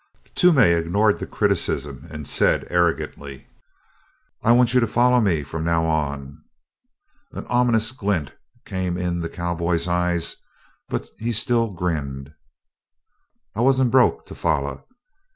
Toomey ignored the criticism and said arrogantly: "I want you to follow me from now on." An ominous glint came in the cowboy's eye, but he still grinned. "I wa'nt broke to foller.